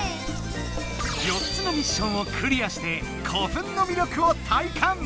４つのミッションをクリアーして古墳の魅力を体感！